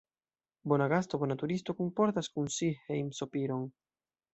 Bona gasto, bona turisto, kunportas kun si hejmsopiron.